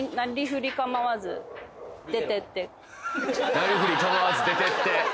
「なりふり構わず出てって」